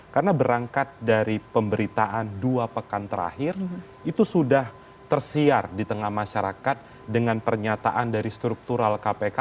karena berangkat dari pemberitaan dua pekan terakhir itu sudah tersiar di tengah masyarakat dengan pernyataan dari struktural kpk